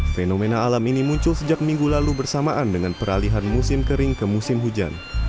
fenomena alam ini muncul sejak minggu lalu bersamaan dengan peralihan musim kering ke musim hujan